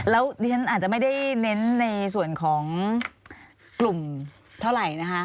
แล้วดิฉันอาจจะไม่ได้เน้นในส่วนของกลุ่มเท่าไหร่นะคะ